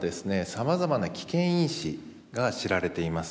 さまざまな危険因子が知られています。